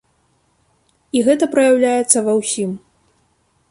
І гэта праяўляецца ва ўсім.